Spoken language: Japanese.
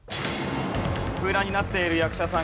空欄になっている役者さん